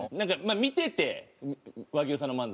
見てて和牛さんの漫才。